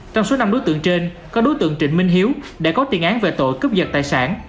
trong số năm đối tượng trên có đối tượng trịnh minh hiếu đã có tiền án về tội cướp giật tài sản